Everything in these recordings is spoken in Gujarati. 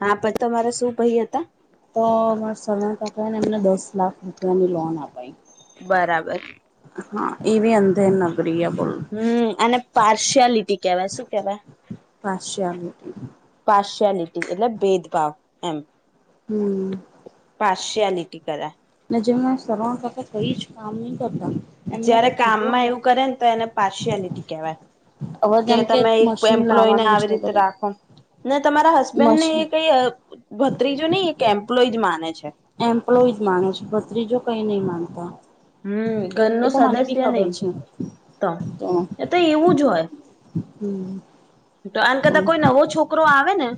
હા પછી તમારા શું ભાઈ હતા? તો માર સોના ટને એમને દસ લાખ રૂપ [unintelligible] ધન લોનાપ [unintelligible] બરાબર એવી અંધે નગરીયા બોલ હમ અને પાર્શિયાલિટી કેવાય શું કેવાય પાશિયાલિટી પાર્શિયાલિટી એટલે ભેદભાવ એમ હમ પાર્શિયાલિટી કર નજરમાં સરવાણ કર થઈ જ કામ [unintelligible] એમને જયારે જો કીધું કામમાં હોય એવું કરે ને તો એને પાર્શિયાલિટી કેવાય હવે કે જેમ તમે એક મશીન એમ્પ્લોય ને લાવવાનું આવી છે રીતે બરોબર રાખો ને તમારા હસબેન્ડ ને એ મશીન કઈ ભત્રીજો નય ને એક એમ્પ્લોઈ જ માને છે. એમ્પ્લોઈ જ માનો છે. ભત્રીજો કઈ નહી માનતા હમ ઘર ન એ તો મને બી સદસ્ય ખબર નહીં છે તો એ તો એવું જ હોય હમ [unintelligible] આમ તો કદા કોઈ નવો છોકરો આવે ને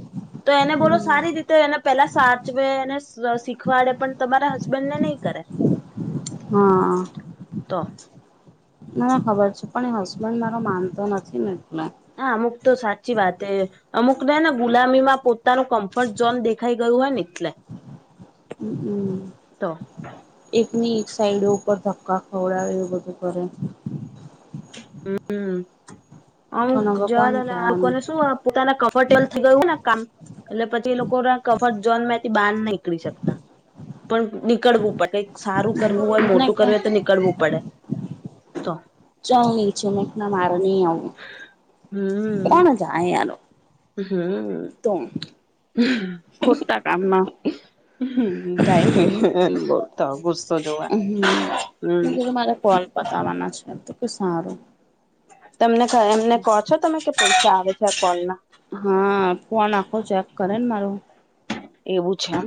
તો એને બોલો હમ. સારી રીતે એને પેલા સાચવે અને સ્વ, સીખવાડે, પણ તમારા હસબન્ડ ને ની કરે. હા તો મને ખબર છે પણ એ હસબન્ડ મારો માનતો નથી ને, એટલે હા, અમુક તો સાચી વાતે, અમુક ને હે ને ગુલામીમાં પોતાનું કમ્ફર્ટ ઝોન દેખાઈ ગયું. જવાની એટલે. હમ્મ હા તો એકની એક સાઈડ ઉપર ધ કા ખવડાવે એવું બધું કરે. હમ્મ. પણ હવે [unintelligible] કોને જવા કહેવાનું કોને શું પોતાના કમ્ફટેબલઈ ગયુ કામ એટલે પછી એ લોકો ના કફટ ઝોન માંથી બહાર ના નીકળી શકતા પણ નીકળવું પડે. સારું કરવું હોય મને મોટું કરવું હોય તો નીકળવું પડે. તો ચાલની, ચું મક ના માર નહી આવું, કોણ જાય યાર? હમ હમ તોમ, ખોટટા કામ ના હમ ટાઈમ, [unintelligible] તો ગુસ્સો જોવા, હમ મેં હમ કીધું મારે કોલ પતાવાના છે તો સારું. તમને કહું, એમને કહો છો તમે કે પૈસા આવે છે આ કોલમાં? હા, ફોન આખો ચેક કરે ને મારુ! એવું જ. છેમ?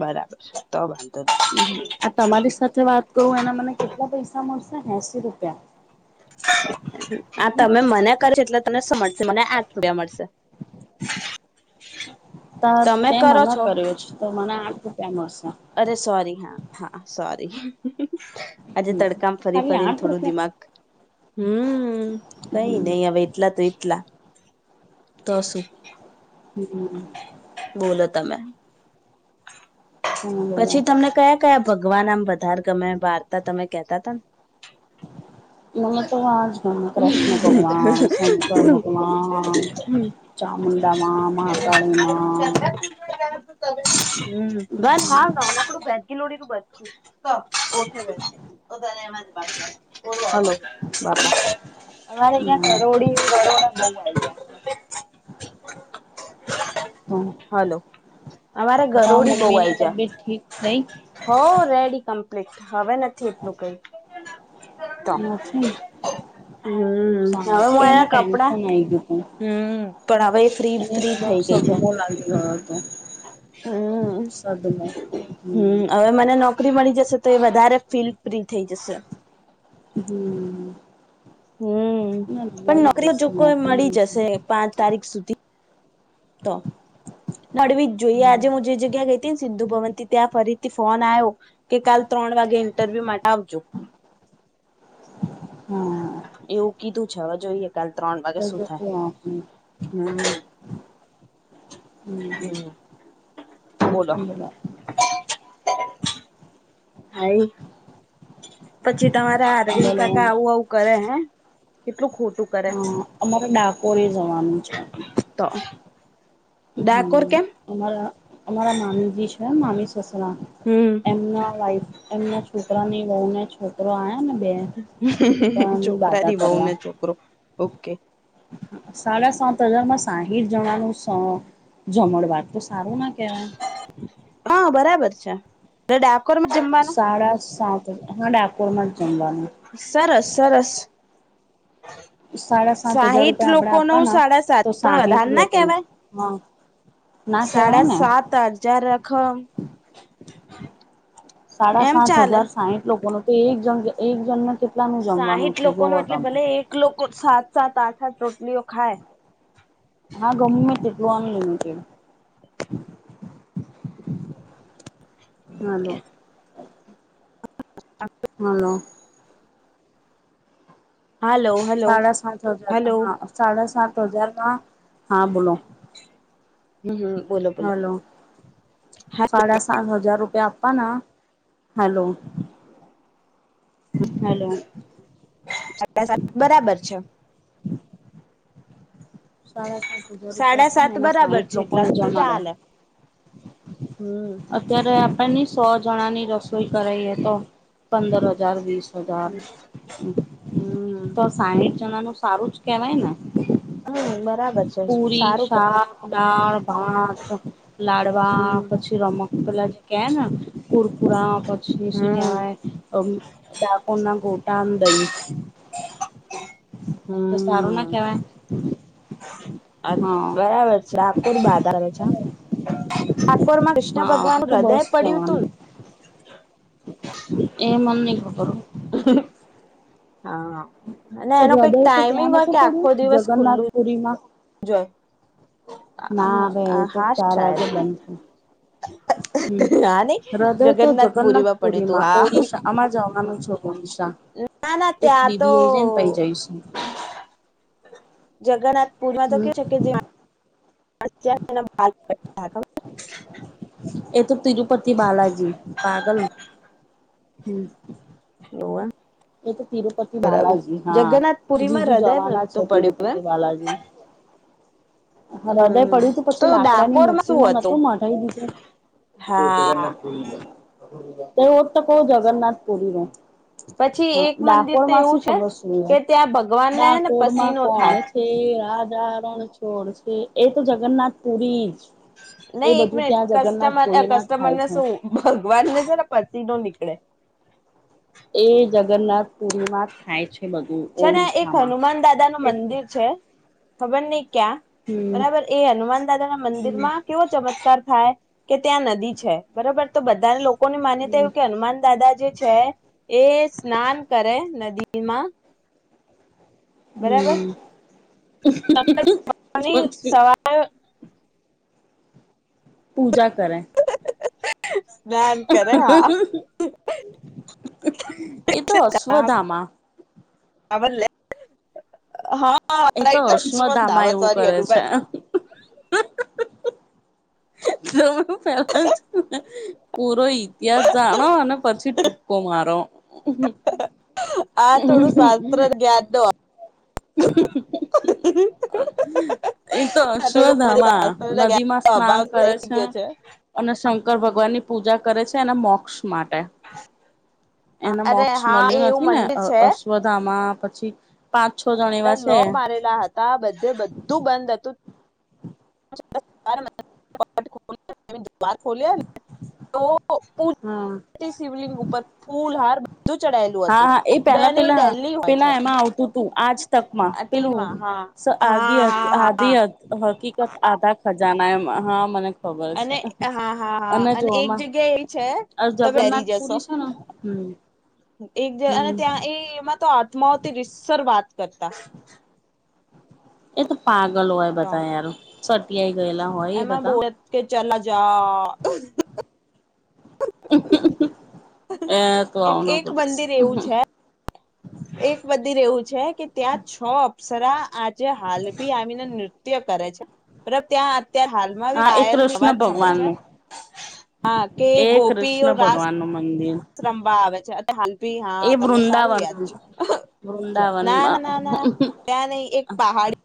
બરાબર છે, તો વાંધો નહીં. આ તમારી સાથે વાત કરું એના મને કેટલા પૈસા મળસે? એસી રૂપિયા? આ તમે મને કર્યો છે, એટલે તને સમજ મને આઠ યા મળસે. ત તે મને કર્યો છે, તો મને આઠ રૂપિયા મળશે અરે સોરી હા હા સોરી આજે તડકામાં ફરી ખાલી ફરીને આઠ થોડું રૂપિયા દિમાગ હમ, કઈ હમ નહી હવે, એટલા તો એટલા તો સું? હમમ તમે તમે બોલો પછી, તમને કયા કયા ભગવાન આમ વધારે ગમે? વાર્તા તમે કેહ્તાતા ન. નમે તો [unintelligible] આજ કૃષ્ણ ભગવાન શંકર ભગવાન ને ચામુડામાં, મહા હમ કાળીમાં. હમ, બંધ [unintelligible] હાવ નવલકોડ બેદ્ગ નોડીનું બધું. હલો. અમારે અહીંયા કરોળી કરોડા બઉ આયુ. હલો. અમારે તારા ઘરોડી બઉ મમ્મી આઈ ની જાહ. તબિયત ઠીક થઈ હઉ રેડી ક એટલે. હવે નથી એટલું કઈ. તો નથી. હમ. હ હવે સારું હું એને આયા કપડા? ટેન્શન આઈ ગયું તું હમ, પણ હવે એ ફ્રી ફ્રી થઈ ગઈ છે. હ તો. હમ હમ્મ હમ હવે મને નોકરી મળી જશે તો એ વધારે ફીલ ફ્રી થઈ જશે. હમ. હમ પણ નોકરીઓ જો કોઈ મળી નોકરી જશે પાંચ તારીખ સુધી. તો, મળવી જ જોઈએ. આજે હું જે જગ્યા ગઈ હતી ને સિદ્ધુ ભવન ત્યાં ફરીથી ફોન આયો કે કાલ ત્રણ વાગે ઇન્ટરવ્યુ માટે આવજો. હમ્મ. એવું કીધું છે હવે જોઈએ. કાલ ત્રણ વાગે તો શું જો થાય. તું આપું હમમ. હમ્મ. બોલો [unintelligible] હાઈ, પછી તમારા રહીમ બોલો કાકા આવું આવું કરે હે. કેટલું ખોટું કરે હા અમારે ડાકોરે જવાનું છે. તો ડાકોર હમ કેમ અમારા અમારા મામીજી છે મામી સસરા, હમ એમના વાઇફ એમના છોકરાની વહુને છોકરો આયો- બાધા છોકરાથી વહું કરવા ને છોકરો ઓકે. સાડા સાત હજારમાં સાહીઠ જણાનું સ જમણવાર તો હારું ના કેવાય? અચ્છા, ને ડાક સાડા સાત, હા ડાકોરમાં જ જમવાનું. સરસ સરસ. સાડા સાત હજાર સાહીઠ રૂપિયા આપણે લોકોનું આપવાના સાડા સાત પણ વધાર ના કેવાય? હ. સાડા સાત હજાર રખમ સાડા સાત હજાર સાહીઠ લોકોનું તો એક જણ એક જણને કેટલાનું જમવાનું સાહીઠ થયું લોકોનું જોવો એટલે તમે. ભલે એક લોકો સાત સાત આઠ હત રોટલીઓ ખાય હા ગમેં તેમ ગઆન limited. Hello. Hello. Hello hello સાડા સાત વાગ્યા હલો હા સાડા સાત હજારમાં હા બોલો. હમ હમ બોલો બોલો હલો. સાડા સાત હજ જાર રૂપિયા આપવાના. હેલો. હલો. સા સાત બરાબર છે. સાડા સાત હજાર રૂપિયા સાડા હતા. સાત ને એમાં બરાબર સાહીઠ છે એટલા લોકોને જ તો ચાલે મળડ્યા. હમ અત્યારે એની સો જણાની રસોઈ કરાઈએ તો પંદર હજાર વીસ હજાર હમ તો સાહીઠ જણા નું સારું જ કેવાય ને. હમ બરાબર. છે પુરી, સારું કે શાક, દાળ-ભાત, લાડવા હમ પછી રમક પતલા જે ક ના કુરકુરા શું હમ કવાય ડાકોર ના ગોટ દઈ. તો સારું ના હમ કેવાય. હા બરાબર છે. ડાકોર બાધારા પર માં કૃષ્ણ હા ભગવાન આખું હૃદય બસ પડ્યું તું? જવાનું એ મન નઈ ખબર હ હા અને એનો હૃદય કઈક તો ટાઈમિંગ ત્યાં હોય નતું કે પડ્યું આખો દિવસ ખુલ્લું જગન્નાથપુરીમાં જો ના રે એ તો હા ચાર સાાયદ. વાગે બંધ થાય હમ હા નઈ હૃદય તો જગન્નાથ પુરીમાં પડ્યું હતું જગન્નાથપુરીમાં હા. ઓડિશા આમાં જવાનું છે ઓડિશા ના ના એક ત્યાં તો બીબી એ છે ને પઈ જઈશું જગન્નાથ પુરમાં તો હમ કે શક [inaudible] એ તો તિરુપતિ બાલાજી પાગલ હમ હ એ તો તિરુપતિ બાલાજી હા, જીજુ હૃદય જવાના નતું છે, પડ્યું એમ તિરુપતિ બાલાજી [inaudible] હૃદય હમ પડ્યું તું તો પછી લાકડાની ડાકોરમાં મૂર્તિ શું માં નતુ હતું મઢાઈ દીધું. એ હા જગન્નાથ પુરી તોવ તો કવ જગન્નાથ પુરી નુ પછી હ એક મંદિર ડાકોર તો માં શુ એવું ખબર છે કે ત્યાં ભગવાનને ને ડાકોર માં પસીનો કોણ થાય છે, રા જા રણછોડ છે એ તો જગન્નાથ પુરી જ [inaudible] એ નહી એક બધું મિનિટ ત્યાં જગન્નાથ કસ્ટમર પુરીમાં જ કસ્ટમર થાય ને છે. શું ભગવાનને છે ને પર્ચી નો નીકળે એ જગન્નાથ પૂરીવાર થાય છે બધું છે ને એક ઓડિશામાં હનુમાન દાદા નું એ મંદિર છે ખબર નહીં ક્યાં હમ બરાબર એ હનુમાન દાદા ના મંદિર હમ માં કેવો ચમત્કાર થાય કે ત્યાં નદી છે બરોબર તો બધા લોકોની હમ માન્યતા એવુ કે હનુમાન દાદા જે છે એ સ્નાન કરે નદીમાં બરાબર હમ [inaudible] સવારે પૂજા કરે સ્નાન કરે હા હ એ તો અશ્વધામાં આ વ લે હા હા એ તો રા [inaudible] અશ્વધામાં અશ્વધાવા સારી અનુબંધ હ હ જોવ પેલા પૂરો ઈતિહાસ જાણો અને પછી ટૂપકો મારો આ થોડું શાસ્ત્ર જ્ઞાત હ હ હ હ એ તો આ થોડું મને અશ્વધામાં શાસ્ત્ર ના નદી જ્ઞાન માં નો સ્નાન અભાવ કરે થઈ છે. ગયો અને શંકર ભગવાન ની પૂજા કરે છે એના મોક્ષ માટે હા એને અરે મોક્ષ એ મળ્યું એવું નથી ને મંદિર અ છે અશ્વધામાં પછી પાંચ છો જણ એવા બધા છે લોક મારેલા હતા બધે બધું બંધ હતું [inaudible] બાર ખોલ્યા ને તો પુ હમ [unintelligible] શિવલિંગ ઉપર ફૂલ હાર બધું ચડાયેલું હા હતું. હા એ પેલા બેન એ પેલા ડેલી હોય છે પેલા એમાં આવતું હતું આજ તકમાં આ પેલું ટીમમાં હા સ આધ હા હા હા આધી હક હકીકત આધા ખજાના એમા હા મને ખબર છે. અને હા હા હા અને એક જગ્યા એ છે. અ તમે ડરી જગન્નાથ જશો પુરી છે ને હમ એક જે અને હમ ત્યાં એ એમાં તો આત્માઓથી રિસર વાત કરતા એ તો પાર ગયેલા હોય એ એમાં બધા બહત કે ચલા જા [inaudible] એ તો એક આવુ ના એક કરીશ મંદિર એવું છે એક બધી રેવું છે કે ત્યાં છો અપ્સરા આજે હાલ ભી આવીને નૃત્ય કરે છે, મતલબ ત્યાં અત્યારે હાલમાં હા એ પાયલની અવાજ કૃષ્ણ સાંભળે ભગવાન છે. નું હા કે એ ગોપીઓ કૃષ્ણ રાસ ભગવાન નું મંદિર રમવા આવે છે, અને હાલ ભી હા એ તમને સારું વૃંદાવન યાદ છે. ના ના વૃંદાવનમાં ના ના ત્યાં નહી એક પહાડી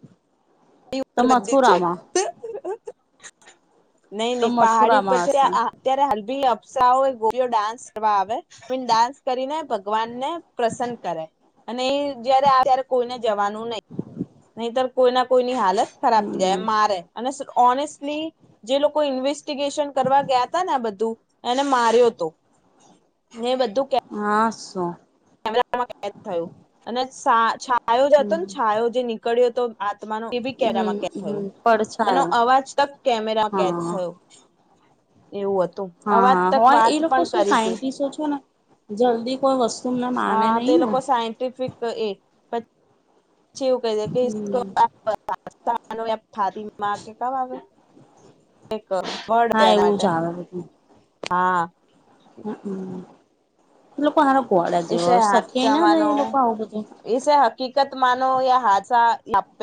ત પર મંદિર મથુરામાં નહી તો નહી પહાડી ઉપર મથુરામાં છે, હશે અત્યારે હાલભી અફસારાઓ ગોપીયો ડાન્સ કરવા આવે ડાન્સ કરીને ભગવાન ને પ્રસન્ન કરે અને એ જયારે ત્યારે કોઈને જવાનું નહી નહીતર કોઈના કોઈની હાલત ખરાબ થઈ જાય હમ મારે અને ઓનેસ્ટલી જે લોકો ઇન્વેસ્ટીગેશન કરવા ગયા તા ને આ બધું એને માર્યો હતો મે બધું કે હા શું કેમેરામાં કેદ થયું અને છાયો જત હતો ને હમ છાયો જે નીકળ્યો હતો આ તમારો એ બી હમ કેમેરામાં કેચ થયું હમ એનો પડછાયો અવાજ તક કેમેરા કેચ હા થયો એવું હતું. હા અવાજ હા તક હોય એ વાત લોકો પણ શું કરી હતી સાયન્ટિસો છે ને જલ્દી કોઈ વસ્તુ હ તે લોકો સાયન્ટિફિક એ પ છી એવું કે છેે કે હમ [unintelligible] [unintelligible] થાતીમા કે કબ આવે ત પડ તો હા એના એવું માટે જ આવે બધું હા [inaudible] લોકો હારો ઘોળા જેવા સખીય ના જાય એ લોકો આવું બધું એ શે હકીકત માનો યા હાતસા [unintelligible]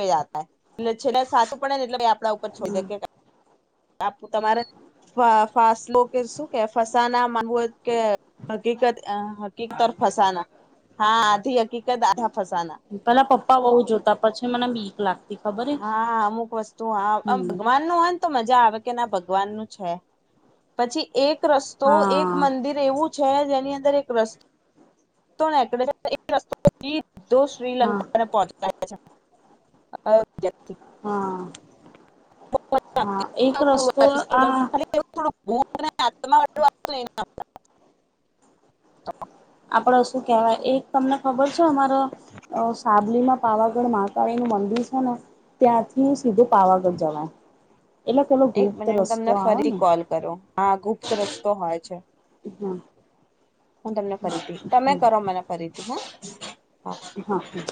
એટલે છેલે સાચું પડે ને એટલે આપડા ઉપર છોડી દે હમ આપું તમારે ફા ફાસલો કે શું કે ફસાના માનવુંય કે હકીકત અ હકીકતર ફસાના હા આધી હકીકત આધા ફસાના પેલા પપ્પા બોવ જોતા પછી મને બીક લાગ હા અમુક વસ્તુ હામ હમ ભગવાનનું હોય ને તો મજા આવે કે ના ભગવાનનું છે. પછી એક રસ્તો એક હા મંદિર એવું છે, જેની અંદર એક રસ તો નીકળે [unintelligible] સીધો હા શ્રીલંકા [unintelligible] પહંચતા [inaudible] હા. [inaudible] હા એક ભુત રસ્તો આ ને આત્મા વારી [unintelligible] આપડે શું કહેવાય એક તમને ખબર છે, અમારા અ સાબલીમાં પાવાગઢ માહકાળીનું મંદિર છે ને ત્યાંથી સીધું પાવાગઢ જવાય. એટલે પેલો એક ગુપ્ત મિનિટ હું રસ્તો તમને આવે ફરી ને કોલ કરું હા ગુપ્ત રસ્તો મળે છે. હમ્મ. હું તમને ફરીથી તમે કરો મને ફરીથી હમ્મ. હા હા.